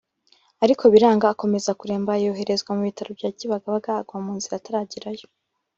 ariko biranga akomeza kuremba yoherezwa mu bitaro bya Kibagabaga agwa mu nzira ataragerayo